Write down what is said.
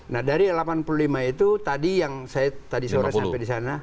nah dari delapan puluh lima itu tadi yang saya tadi sore sampai di sana